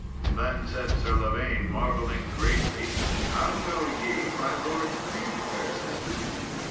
Then said Sir Lavaine, marvelling greatly, "How know ye my lord's name, fair sister?"